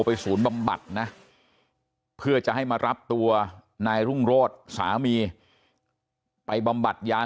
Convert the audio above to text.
ศูนย์บำบัดนะเพื่อจะให้มารับตัวนายรุ่งโรธสามีไปบำบัดยาน